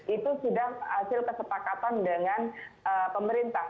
itu sudah hasil kesepakatan dengan pemerintah